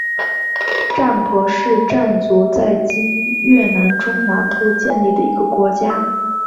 占婆是占族在今越南中南部建立的一个国家。